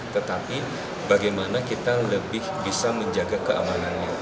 tetapi bagaimana kita lebih bisa menjaga keamanannya